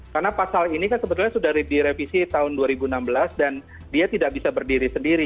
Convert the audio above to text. karena pasal ini kan sebetulnya sudah direvisi tahun dua ribu enam belas dan dia tidak bisa berdiri sendiri